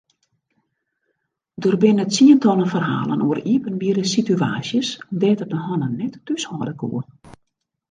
Der binne tsientallen ferhalen oer iepenbiere situaasjes dêr't er de hannen net thúshâlde koe.